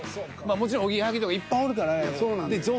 もちろんおぎやはぎとかいっぱいおるから。